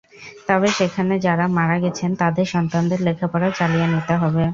তবে সেখানে যাঁরা মারা গেছেন, তাঁদের সন্তানদের লেখাপড়া চালিয়ে নিতে হবে।